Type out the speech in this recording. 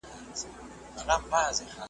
یا به ګوربت غوندي اسمان ته ختی `